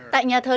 tại nhà thờ đức